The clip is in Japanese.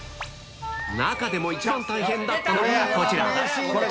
中でも一番大変だったのがこちら。